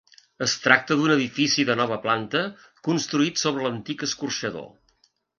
Es tracta d'un edifici de nova planta construït sobre l'antic escorxador.